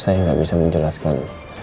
saya gak bisa menjelaskan